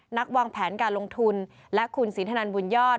นักวางแผนการลงทุนและคุณศรีธนันต์บุญยอด